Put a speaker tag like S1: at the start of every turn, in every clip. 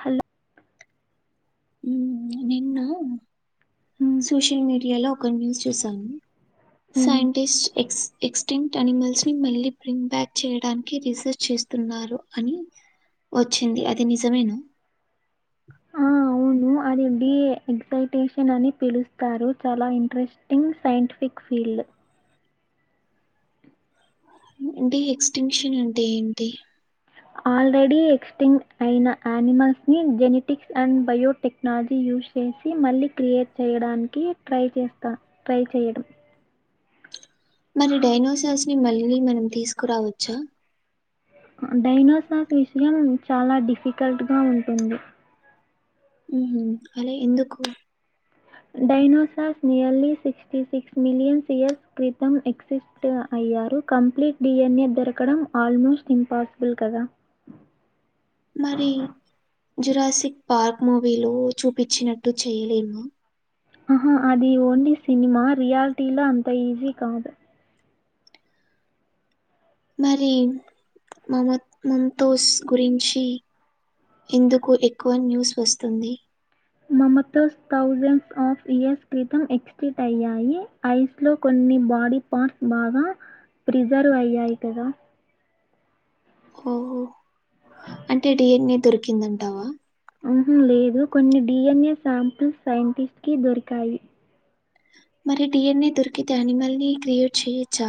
S1: Hello
S2: మ్ నిన్న
S1: ఉమ్
S2: social మీడియాలో ఒక న్యూస్ చూసాను
S1: ఉమ్
S2: సైంటిస్ట్ ఎక్ ఎక్స్టింక్ట్ అనిమల్స్ ని మళ్ళీ ప్రిం బ్యాక్ చేయడానికి రీసెర్చ్ చేస్తున్నారు అని వచ్చింది అది నిజమేన
S1: వును అది డిఏ ఎక్సైటేషన్ అని పిలుస్తారు చాలా ఇంట్రెస్ట్ టింగ్ సైంటిఫిక్ ఫీల్డ్
S2: మ్ అంటే ఇ ఎక్స్టెన్షన్ అంటే ఏంటి
S1: ఆ ఆల్రెడీ ఎక్స్టింట్ అయిన ఆనిమల్స్ ని జెనెటిక్స్ అండ్ బయోటెక్నాలజీ యూజ్ చేసి మళ్ళీ క్రియేట్ చేయడానికి ట్రై చేస్తా ట్రై చేయడం
S2: మరి డైనోసర్స్ ని మళ్ళీ మనం తీసుకురావచ్చా
S1: డైనోసార్ విషయం చాలా డిఫికల్ట్ గా ఉంటుంది
S2: మ్ హు అలా ఎందుకు
S1: dinosaurs nearly sixty six millions years క్రితం ఎక్సిస్ ట్ అయ్యారు కంప్లీట్ డిఎన్ఏ దొరకడం ఆల్మోస్ట్ ఇంపాసిబుల్ కదా
S2: మరి జురాసిక్ పార్క్ మూవీలో చూపిచ్చినట్టు చెయ్యలేము
S1: అహ అది ఓన్లీ సినిమా రియాలిటీలో అంత ఈజీ కాదు
S2: మరి మమత్ మంతోస్ గురించి ఎందుకు ఎక్కువ న్యూస్ వస్తుంది
S1: మమతోస్ థౌజండ్స్ ఆఫ్ ఇయర్స్ క్రితం ఎక్స్టిట్ అయ్యాయి ఐస్లో కొన్ని బాడీ పార్ట్స్ బాగా ప్రిజర్వ్ అయ్యాయి కదా
S2: ఓహో అంటే డీఎన్ఏ దొరికిందంటావా
S1: మ్ హు లేదు కొన్ని డిఎన్ఏ సాంపుల్స్ సైంటిస్ట్కి దొరికాయి
S2: మరి డిఎన్ఏ దొరికితే అనిమల్ని క్రియేట్ చేయొచ్చా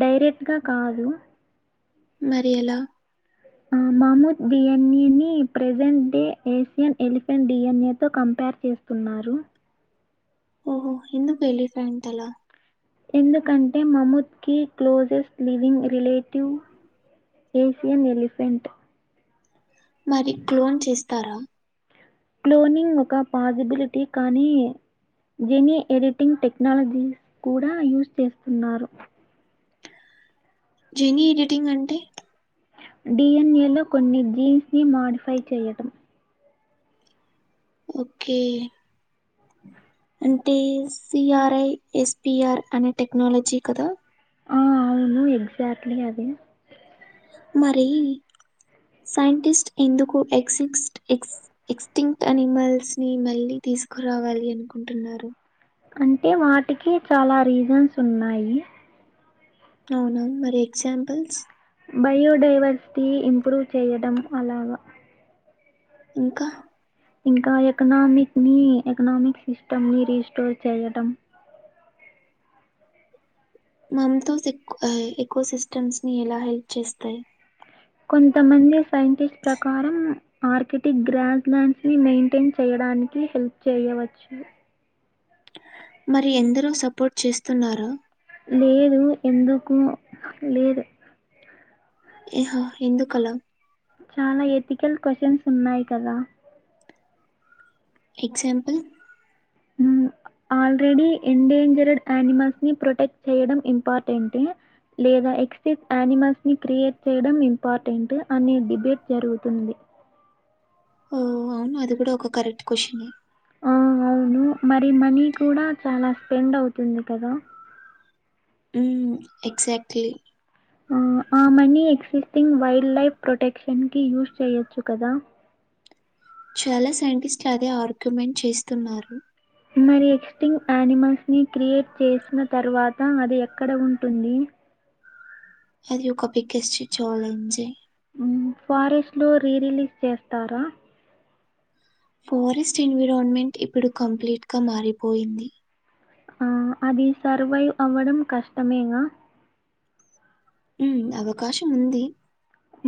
S1: డైరెక్ట్ గా కాదు
S2: మరి ఎలా
S1: అ మమొత్ డిఎన్ఏని ప్రెజెంట్ డే ఏషియన్ ఎలిఫెంట్ డిఎన్ఏతో కంపేర్ చేస్ స్తున్నారు
S2: ఓహో ఎందుకు ఎలిఫ్యాంట్ అలా
S1: ఎందుకంటే మమొత్కి closest living relative Asian elephant
S2: మరి క్లోన్ చేస్తారా
S1: క్లోనింగ్ ఒక పాజిబిలిటీ కానీ జెనీ ఎడిటింగ్ టెక్నాలజీస్ కూడా యూస్ చేస్తున్నారు
S2: జెనీ ఎడిటింగ్ అంటే
S1: డిఎన్ఏ లో కొన్ని జీన్స్ ని మాోడిఫై చేయడం
S2: ఓకే అంటే సిఆర్ఐ ఎస్పిఆర్ అనే టెక్నాలజీ కదా
S1: ఆ అవును ఎగజాక్ట్లీ అదే
S2: మరి సైంటిస్ట్ ఎందుకు ఎక్సిస్ట్ ఎక్స్ ఎక్స్టింట్ అనిమల్స్ని మళ్ళీ తీసుకురావాలి అనుకుంటున్నారు.
S1: అంటే వాటికి చాలా రీజన్స్ ఉన్నాయి.
S2: అవునా మరి ఎగ్జాంపుల్స్.
S1: బయోడైవర్సిటీ ఇంప్రూవ్ చేయడం అలాగా.
S2: ఇంకా
S1: ఇంకా ఎకనామిక్ని ఎకనామిక్ సిస్టమ్ ని రీస్టోర్ చేయటం.
S2: మమ్తుస్ ఎక్ ఎకో సిస్టమ్స్ని ఎలా హెల్ప్ చేస్తాయి.
S1: కొంతమంది సైంటిస్ట్ ప్రకారం ఆర్కిటిక్ గ్రాస్ ల్యాండ్స్ ని మెయింటేన్ చేయడానికి హెల్ప్ చేయవచ్చు.
S2: మరి ఎందరు సపోర్ట్ చేస్తున్నారా?
S1: లేదు ఎందుకో లేదు.
S2: ఏహో ఎందుకు అలా?
S1: చానా ఎథికల్ క్వశ్చన్స్ ఉన్నాయి కదా.
S2: ఎగ్జాంపుల్?
S1: ఉ ఆల్రెడీ ఎండేంజర్డ్ యానిమల్స్ ని ప్రొటెక్ట్ చేయడం ఇంపార్టెంటే. లేదా ఎక్స్టెట్ యానిమల్స్ ని క్రియేట్ చేయడం ఇంపార్టెంటే అనే డిబేట్ జరుగుతుంది.
S2: ఓ అవునా అది కూడా ఒక కరెక్ట్ క్వశ్చనే.
S1: ఆ అవును మరి మనీ కూడా చాలా స్పెండ్ అవుతుంది కదా.
S2: ఉ ఎక్సాక్ట్లి
S1: ఆ మనీ ఎక్సిస్టింగ్ వైల్డ్ లైఫ్ ప్రొటెక్షన్కి యూజ్ చేయొచ్చు కదా.
S2: చాలా సైంటిస్ట్లు అదే ఆర్గ్యుమెంట్ చేస్తున్నారు.
S1: మరి ఎక్స్టింక్ యానిమల్స్ ని క్రియేట్ చేసిన తర్వాత అది ఎక్కడ ఉంటుంది.
S2: అది ఒక బిగెస్ట్ ఛాలెంజే.
S1: ఉ ఫారెస్ట్ లో రీ రిలీజ్ చేస్తారా?
S2: ఫారెస్ట్ ఎన్విరాన్మెంట్ ఇప్పుడు కంప్లీట్ గా మారిపోయింది.
S1: ఆ అది సర్వైవ్ అవ్వడం కష్టమేనా.
S2: ఉ అవకాశం ఉంది.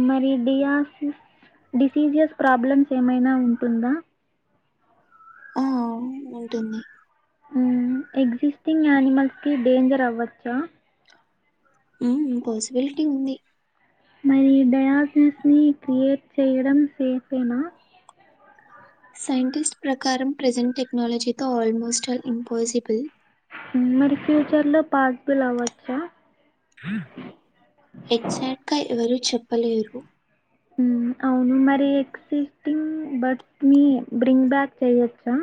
S1: మరి డియాసి డిసీజీస్ ప్రాబ్లమ్స్ ఏమైనా ఉంటుందా?
S2: ఆ అవు ఉంటుంది.
S1: ఎగ్జిస్టింగ్ యానిమల్స్కి డేంజర్ అవ్వచ్చా?
S2: పాసిబిలిటీ ఉంది.
S1: మరి డయాసిస్ని క్రియేట్ చేయడం సేఫేనా.
S2: సైంటిస్ట్ ప్రకారం ప్రెజెంట్ టెక్నాలజీతో ఆల్మోస్ట్ ఆల్ ఇంపాసిబుల్.
S1: మరి ఫ్యూచర్లో పాస్బుల్ అవ్వచ్చా?
S2: ఎగ్జాక్ట్గా ఎవరు చెప్పలేరు.
S1: అవును మరి ఎక్సిస్టింగ్ బర్డ్స్ నీ బ్రింగ్ బ్యాక్ చెయొచ్చా.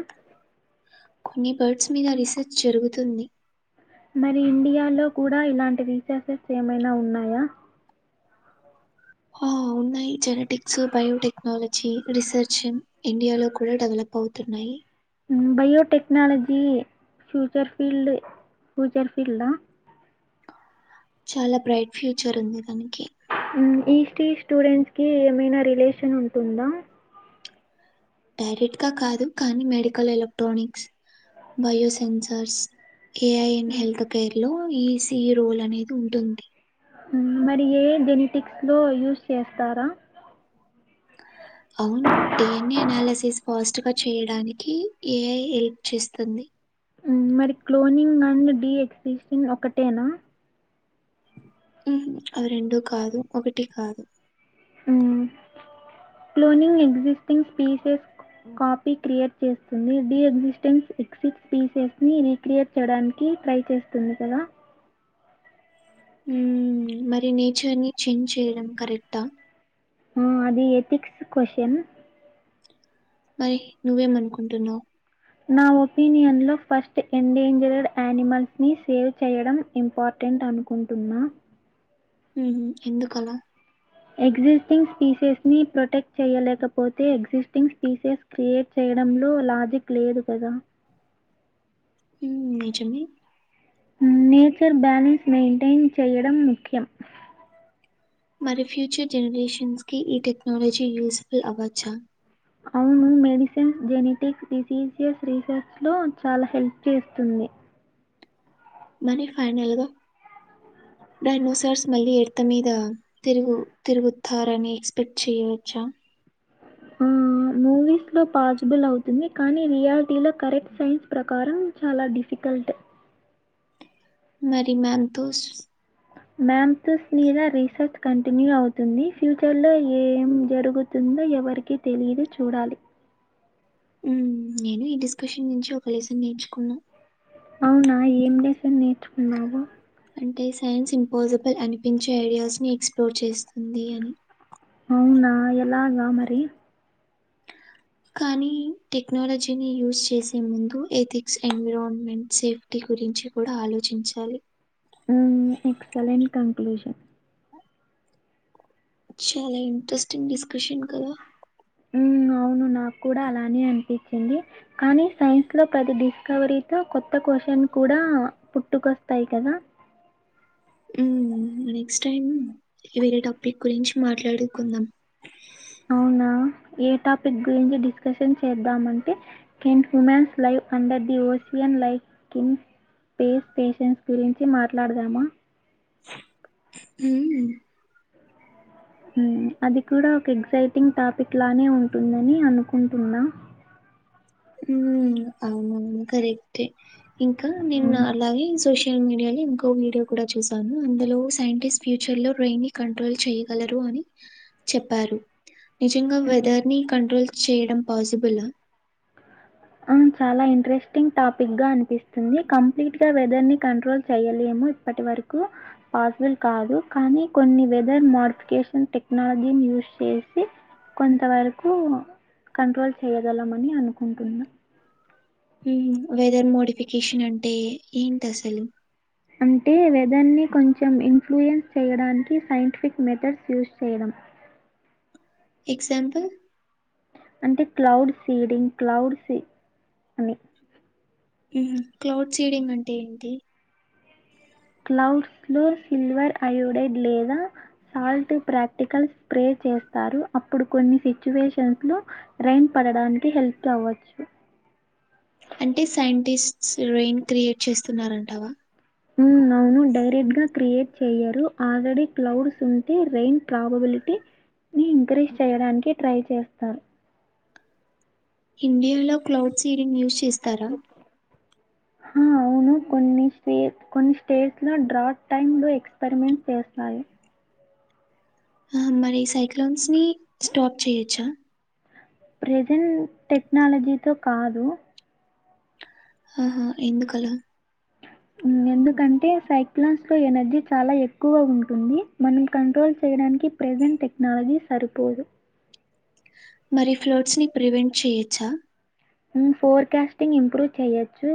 S2: కొన్ని బర్డ్స్ మీద రీసెర్చ్ జరుగుతుంది.
S1: మరి ఇండియాలో కూడా ఇలాంటి రీసెర్సెస్ ఏమైనా ఉన్నాయా?
S2: ఆ ఉన్నాయి జెనెటిక్స్, బయోటెక్నాలజీ రీసెర్చ్ ఇండియాలో కూడా డెవలప్ అవుతున్నాయి.
S1: బయోటెక్నాలజీ ఫ్యూచర్ ఫీల్డ్ ఫ్యూచర్ ఫీల్డా.
S2: చాలా బ్రైట్ ఫ్యూచర్ ఉంది దానికి.
S1: ఈస్టీ స్టూడెంట్స్ కి ఏమైనా రిలేషన్ ఉంటుందా?
S2: డైరెక్ట్ గా కాదు కానీ medical electronics bio sensors AIN
S1: హ్మ్.
S2: హెల్త్ కేర్ లో ఈసి రోల్ అనేది ఉంటుంది
S1: మరి ఏ జెనటిక్స్ లో యూజ్ చేస్తారా ఆ
S2: అవును డిఎన్ఏ అనాలిసిస్ ఫాస్ట్ గా చేయడానికి ఏ ఐ హెల్ప్ చేస్తుంది
S1: ఉమ్ మరి క్లోనింగ్ అండ్ డీఎక్సిటిన్ ఒకటేనా
S2: ఉమ్ అవి రెండు కాదు ఒకటి కాదు
S1: ఉమ్ cloning existing species copy create చేస్తుంది డి ఎగ్జిస్టెన్స్ ఎక్సిట్ పీసెస్ ని రిక్రియేట్ చేయడానికి ట్రై చేస్తుంది కదా
S2: ఉమ్ మరి నేచర్ ని చేంజ్ చేయడం కరెక్టా
S1: ఆ అది ఎథిక్స్ క్వశ్చన్
S2: మరి నువ్వేం అనుకుంటున్నావు
S1: నా ఒపీనియన్ లో ఫస్ట్ ఎం డేంజర్ యానిమల్స్ ని సేవ్ చేయడం ఇంపార్టెంట్ అనుకుంటున్నా
S2: ఉమ్ ఎందుకలా
S1: ఎగ్జిస్టింగ్ స్పీసెస్ ని ప్రొటెక్ట్ చేయ్యలేకపోతే ఎగ్జిస్టింగ్ స్పీసెస్ క్రియేట్ చేయడంలో లాజిక్ లేదు కదా
S2: ఉమ్ నిజమే
S1: నేచర్ బ్యాలన్స్ మెయింటైన్ చేయడం ముఖ్యం
S2: మరి ఫ్యూచర్ జనరేషన్స్ కి ఈ టెక్నాలజీ యూజీఫుల్ అవొచ్చా
S1: అవును మెడిసిన్స్ జెనెటిక్స్ డిసీజెస్ రీసెర్చ్ లో చాలా హెల్ప్ చేస్తుంది
S2: మరి ఫైనల్గా డైనోసార్స్ మళ్ళీ ఎర్త్ మీద తిరుగు తిరుగుతారని ఎక్స్పెక్ట్ చెయవచ్చా
S1: ఆ ఆ మూవీస్ లో పాసిబుల్ అవుతుంది కానీ రియాలిటీలో కరెక్ట్ సైన్స్ ప్రకారం చాలా డిఫికల్ట్
S2: మరి మ్యామ్ తోస్
S1: మ్యామ్సస్ మీద రీసెర్చ్ కంటిన్యూ అవుతుంది ఫ్యూచర్ లో ఏం జరుగు తుందో ఎవరికి తెలియదు చూడాలి
S2: ఉమ్ నేను ఈ డిస్కషన్ నుంచి ఒక లెసన్ నేర్చుకున్నా
S1: అవునా ఏమి లెసన్ నేర్చుకున్నావు
S2: అంటే సైన్స్ ఇంపాజిబుల్ అనిపించే ఐడియాస్ ని ఎక్స్ప్లోర్ చేస్తుంది అని
S1: అవునా ఎలాగా మరి
S2: కానీ టెక్నాలజీని యూజ్ చేసే ముందు ఎథిక్స్ ఎన్విరాన్మెంట్ సేఫ్ వీటి గురించి కూడా ఆలోచించాలి
S1: ఉమ్ ఎక్సలెంట్ కన్క్లూషన్
S2: చాలా ఇంటరెస్టింగ్ డిస్కషన్ కదా
S1: ఉమ్ అవును నాకు కూడా అలానే అనిపించింది కానీ సైన్స్ లో ప్రతి డిస్కవరీతో కొత్త క్వశ్చన్ కూడా పుట్టుకొస్తాయి కదా
S2: ఉమ్ నెక్స్ట్ టైమ్ వేరే టాపిక్ గురించి మాట్లాడుకుందాం
S1: అవునా ఏ టాపిక్ గురించి డిస్కషన్ చేద్దామంటే can humans live under the ocean life కిన్ space stations గురించి మాట్లాడదామా
S2: ఉమ్
S1: ఉమ్ అది కూడా ఒక ఎక్సైటింగ్ టాపిక్ లానే ఉంటుందని అనుకుంటున్నా
S2: అవునవును కరెక్టే ఇంకా నిన్న
S1: మ్మ్.
S2: అలాగే సోషల్ మీడియా లో ఇంకో వీడియో కూడా చూశాను అందులో సైంటిస్ట్ ఫ్యూచర్ లో రైని కంట్రోల్ చేయ్యగలరు అని చెప్పారు నిజంగా
S1: మ్మ్.
S2: వెదర్ ని కంట్రోల్ చేయడం పాసిబుల్ ఆ
S1: ఆ చాలా ఇంట్రెస్టింగ్ టాపిక్ గా అనిపిస్తుంది కంప్లీట్ గా వెదర్ ని కంట్రోల్ చెయలేము అప్పటి వరకు పాసిబుల్ కాదు కానీ కొన్ని వెదర్ మోడిఫికేషన్ టెక్నాలజీని యూజ్ చేసి కొంత వరకు కంట్రోల్ చేయగలాం అని అనుకుంటున్నా
S2: ఉమ్ వెదర్ మోడిఫికేషన్ అంటే ఏంటి అసలు
S1: అంటే వెదర్ని కొంచెం ఇన్ఫ్లుయెన్స్ చేయడానికి సైంటిఫిక్ మెథడ్స్ యూస్ చేయడం
S2: ఎగ్జాంపల్
S1: అంటే క్లౌడ్ సీడింగ్ క్లౌడ్ సీ అని
S2: ఉహు క్లౌడ్ సీడింగ్ అంటే ఏంటి
S1: క్లౌడ్స్ లో సిల్వర్ అయోడైడ్ లేదా సాల్ట్ ప్రాక్టికల్ స్ప్రే చేస్తారు అప్పుడు కొన్ని సిచ్యువేషన్స్ లో రెయిన్ పడడానికి హెల్ప్ అవ్వచ్చు
S2: అంటే సైంటిస్ట్ రెయిన్ క్రియేట్ చేస్తున్నారంటావా
S1: ఉమ్ అవు ఉ డైరెక్ట్ గా క్రియేట్ చేయ్యరు ఆల్రెడీ క్లౌడ్స్ ఉంటే ర రెయిన్ ప్రాబబిలిటీ ఇన్క్రీస్ చేయడానికి ట్రై చేస్తారు
S2: ఇండియాలో క్లౌడ్ సీడింగ్ యూజ్ చేస్తారా
S1: అవును కొన్ని స్టే కొన్ని స్టేట్స్ లో డ్రాట్ టైమ్ ఎక్స్పెరిమెంట్ చేస్తాయి
S2: ఆ మరి సైక్లోన్స్ ని స్టాప్ చేయొచ్చా
S1: ప్రెజెంట్ టెక్నాలజీతో కాదు
S2: ఆహ ఎందుకు అలా
S1: ఉ ఎందుకంటే సైక్లాన్స్ లో ఎనర్జీ చాలా ఎక్కువగా ఉంటుంది మనం కంట్రోల్ చేయడానికి ప్రెసెంట్ టెక్నాలజీ సరిపోదు
S2: మరి ఫ్లడ్స్ ని ప్రివెంట్ చేయొచ్చా
S1: ఉమ్ ఫోర్కాస్టింగ్ ఇంప్రూవ్ చెయ్యొచ్చు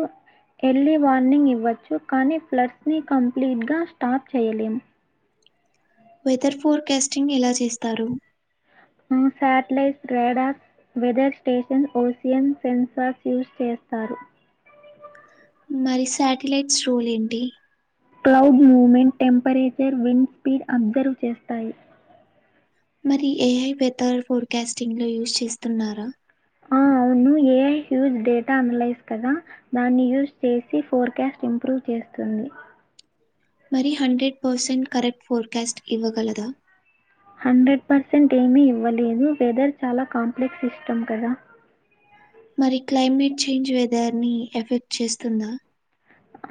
S1: ఎర్లీ వార్నింగ్ ఇవ్వచ్చు కానీ ఫ్లట్స్ని కంప్లీట్గా స్టాప్ చేయలేము
S2: వెదర్ ఫోర్కాస్టింగ్ ఎలా చేస్తారు
S1: ఊ సాటిలైట్ స్ [unintelligible] డా weather station ocean sensors use చేస్తారు
S2: మరి సాటిలైట్స్ రోల్ ఏంటి
S1: cloud movement temperature wind speed observe చేస్తాయి
S2: మరి ఏఐ వెదర్ ఫోర్కాస్టింగ్ లో యూస్ చేస్తున్నారా
S1: ఆ అవును ఏఐ హ్యూజ్ డేటా అలైస్ కదా దాన్ని యూజ్ చేసి ఫోర్కాస్ట్ ఇంప్రూవ్ చేస్తుంది
S2: మరి హండ్రెడ్ పర్సెంట్ కరెక్ట్ ఫోర్కాస్ట్ ఇవ్వగలదా
S1: హండ్రెడ్ పర్సెంట్ ఏమి ఇవ్వలేదు వెదర్ చాలా కాంప్లెక్స్ సిస్టం కదా
S2: మరి క్లైమేట్ చేంజ్ వెదర్ని ఎఫెక్ట్ చేస్తుందా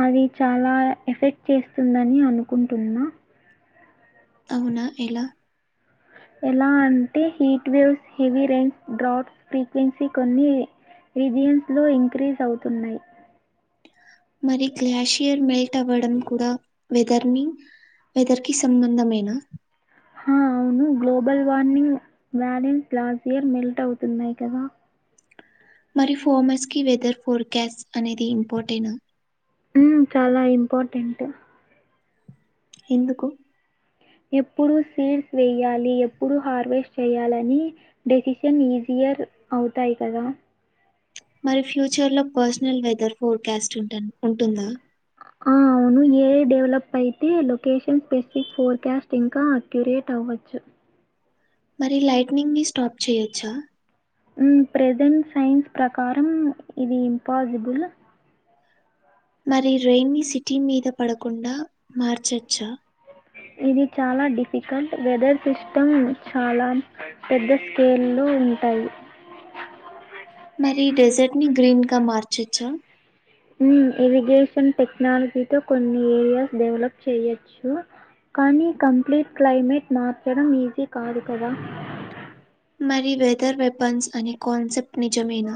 S1: అది చాలా ఎఫెక్ట్ చేస్తుందని అనుకుంటున్నా
S2: అవునా ఎలా
S1: ఎలా అంటే heat waves heavy rains droughts frequency కొన్ని రీజియన్స్ లో ఇంక్రీజ్ అవుతున్నాయి
S2: మరి గ్లాషియర్ మెల్ట్ అవ్వడం కూడా వెదర్ ని వెదర్ కి సంబంధమేనా
S1: హా అవును గ్లోబల్ వార్మింగ్ వ్యాలెన్స్ లాస్ట్ ఇయర్ మెల్ట్ అవుతున్నాయి కదా
S2: మరి ఫోర్మర్స్ కి వెదర్ ఫోర్కాస్ట్ అనేది ఇంపార్టెం
S1: మ్మ్ చాలా ఇంపార్టెంట్టు
S2: ఎందుకు
S1: ఎప్పుడు సీడ్స్ చేయ్యాలి ఎప్పుడు హార్వెస్ట్ చేయ్యాలని డెసిషన్ ఈజియర్ అవుతాయి కదా
S2: మరి ఫ్యూచర్లో పర్సనల్ వెదర్ ఫోర్కాస్ట్ ఉటంద ఉంటుందా
S1: ఆ అవును ఏ డెవలప్ అయితే లొకేషన్ స్పెసిఫిక్ ఫోర్కాస్ట్ ఇంకా అక్యురేట్ అవ్వచ్చు
S2: మరి లైట్నింగ్ ని స్టాప్ చేయ్యొచ్చా
S1: మ్మ్ ప్రెజెంట్ సైన్స్ ప్రకారం ఇది ఇంపాసిబుల్
S2: మరి రైన్‌ సిటీ మీద పడకుండా మార్చచ్చా
S1: ఇది చాలా డిఫికల్ట్ వెదర్ సిస్టమ్ చాలా పెద్ద స్కేలో ఉంటాయి
S2: మరి డెజర్ట్ ని గ్రీన్ గా మార్చొచ్చా
S1: హమ్ ఏవిగేషన్ టెక్నాలజీతో కొన్ని ఏరియాస్ డెవలప్ చెయ్యొచ్చు కానీ కంప్లీట్ క్లైమేట్ మార్చడం ఈజీ కాదు కదా
S2: మరి వేదర్ వేపన్స్ అని కాన్సెప్ట్ నిజమేనా